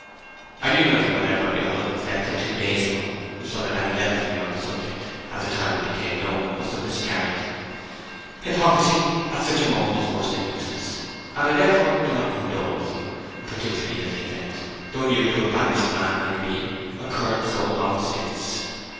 I knew nothing whatever of your husband's death till two days ago; so that any letter from you on the subject, at the time it became known, must have miscarried. Hypocrisy at such a moment is worse than useless, and I therefore do not condole with you, particularly as the event, though new to a banished man like me, occurred so long since.